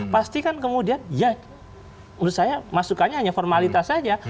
pastikan kemudian ya menurut saya masukannya hanya formalitas saja